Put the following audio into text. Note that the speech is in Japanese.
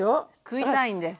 食いたいんで。